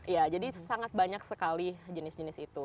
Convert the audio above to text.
iya jadi sangat banyak sekali jenis jenis itu